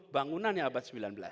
bangunannya abad sembilan belas